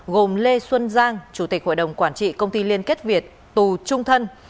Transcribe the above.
gồm lê xuân giang chủ tịch hội đồng quản trị công ty liên kết việt tù trung thân